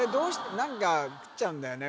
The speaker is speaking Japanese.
何か食っちゃうんだよね